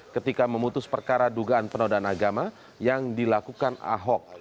ketika memutus perkara dugaan penodaan agama yang dilakukan ahok